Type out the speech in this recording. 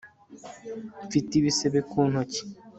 mfite ibisebe ku ntoki